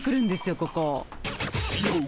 ここ。